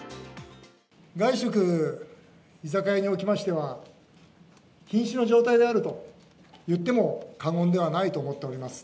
外食、居酒屋におきましては、ひん死の状態であると言っても過言ではないと思っております。